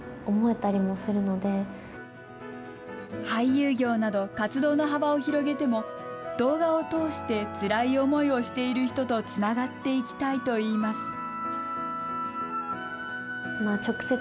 俳優業など、活動の幅を広げても、動画を通してつらい思いをしている人とつながっていきたいといいます。